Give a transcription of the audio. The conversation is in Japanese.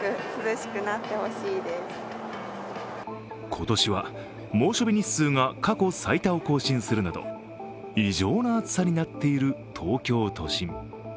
今年は猛暑日日数が過去最多を更新するなど異常な暑さになっている東京都心。